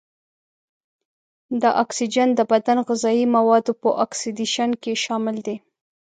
دا اکسیجن د بدن غذايي موادو په اکسیدیشن کې شامل دی.